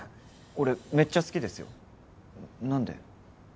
俺めっちゃ好きですよ何で？